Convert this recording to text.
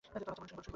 আচ্ছা, বলুন শুনি।